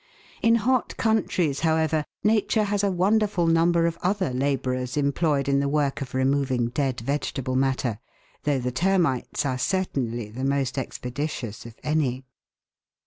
In hot countries, however, Nature has a wonderful number of other labourers employed in the work of removing dead vegetable matter, though the termites are certainly the most expeditious of any.